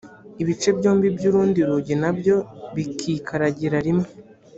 ibice byombi by’urundi rugi na byo bikikaragira rimwe